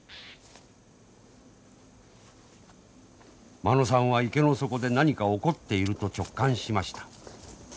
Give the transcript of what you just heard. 間野さんは池の底で何か起こっていると直感しました。